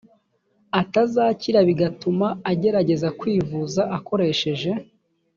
atazakira bigatuma agerageza kwivuza akoresheje